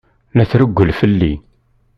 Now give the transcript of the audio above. La trewwel fell-i.